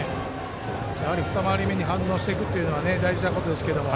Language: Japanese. やはり二回り目に反応してくるというのは大事なことですけども。